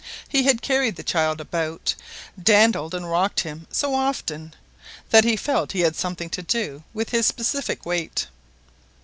He had carried the child about, dandled and rocked him so often, that he felt he had something to do with his specific weight!